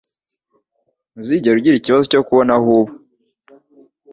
Ntuzigera ugira ikibazo cyo kubona aho uba.